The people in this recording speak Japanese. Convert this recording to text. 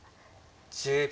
１０秒。